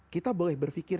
kita boleh berpikir